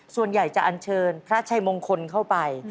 ส่วนใหญ่จะอันเชิญพระชัยมงคลเข้าไป